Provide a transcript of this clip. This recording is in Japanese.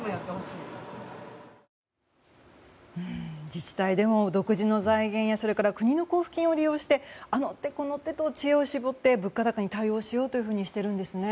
自治体でも独自の財源や国の交付金を利用してあの手この手と知恵を絞って物価高に対応しようとしているんですね。